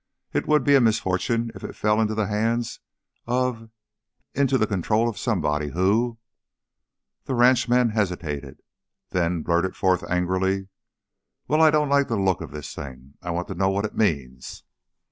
It would be a misfortune if it fell into the hands of into the control of somebody who " The ranchman hesitated, then blurted forth, angrily: "Well, I don't like the look of this thing. I want to know what it means."